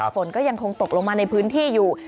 ฝนก็ยังคงตกลงมาในพื้นที่อยู่